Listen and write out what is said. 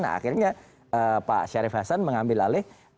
nah akhirnya pak syarif hasan mengambil alih